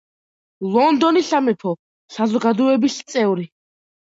ლონდონის სამეფო საზოგადოების წევრი.